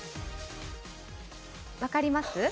分かります？